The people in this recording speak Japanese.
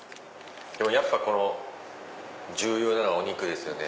やっぱ重要なのはお肉ですよね。